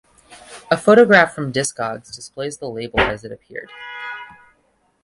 A photograph from Discogs displays the label as it appeared.